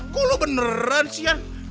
kok lu beneran sih yan